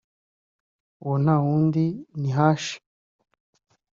Uwo ntawundi ni H